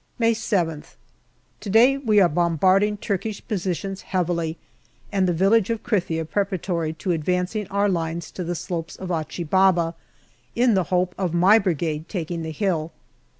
May 7th. To day we are bombarding Turkish positions heavily and the village of Krithia preparatory to advancing our 74 GALLIPOLI DIARY lines to the slopes of Achi Baba in the hope of my Brigade taking the hill.